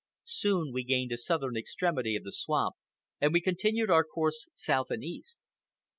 Soon we gained the southern extremity of the swamp, and we continued our course south and east.